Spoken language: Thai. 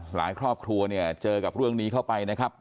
ครอบครัวเนี่ยเจอกับเรื่องนี้เข้าไปนะครับ